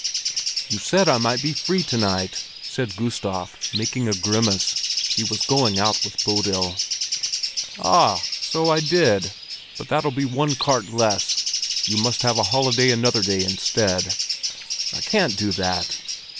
"You said yourself I might be free to day," said Gustav, making a grimace. He was going out with Bodil. "Ah, so I did! But that'll be one cart less. You must have a holiday another day instead." "I can't do that."